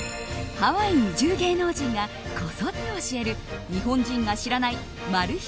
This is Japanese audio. ハワイ移住芸能人がコソッと教える日本人が知らないマル秘